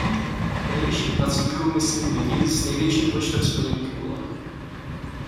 Nejvyšší dvacítkou myslím lidi s největším počtem splněných úloh.